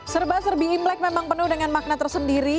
serba serbi imlek memang penuh dengan makna tersendiri